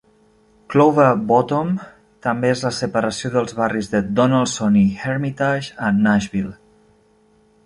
Clover Bottom també és la separació dels barris de Donelson i Hermitage a Nashville.